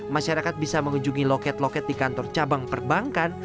masyarakat bisa mengunjungi loket loket di kantor cabang perbankan